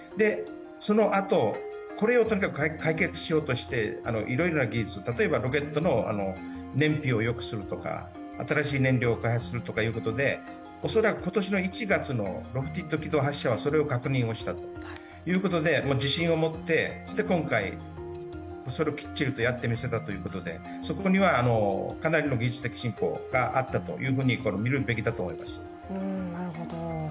そのあと、これをとにかく解決しようとしていろいろな技術、例えばロケットの燃費をよくするとか、新しい燃料を開発するとかでおそらく今年の１月の発射はそれを確認したということで、自信を持って、今回それをきっちりをやってみせたということでそこにはかなりの技術的進歩があったとみるべきだと思います。